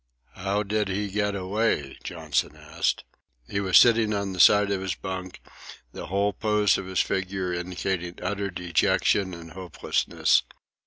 "How did he get away?" Johnson asked. He was sitting on the side of his bunk, the whole pose of his figure indicating utter dejection and hopelessness.